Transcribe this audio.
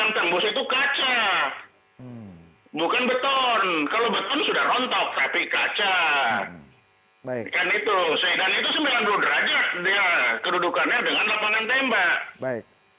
dan itu sembilan puluh derajat dia kedudukannya dengan lapangan tembak